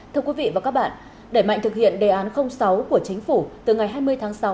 thưa quý vị và các bạn đẩy mạnh thực hiện đề án sáu của chính phủ từ ngày hai mươi tháng sáu